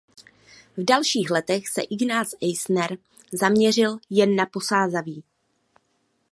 V dalších letech se Ignác Eisner zaměřil jen na Posázaví.